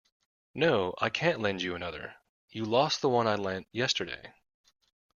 No, I can't lend you another. You lost the one I lent yesterday!